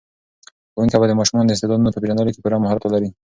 ښوونکي باید د ماشومانو د استعدادونو په پېژندلو کې پوره مهارت ولري.